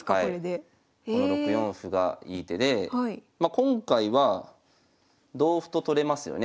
ま今回は同歩と取れますよね。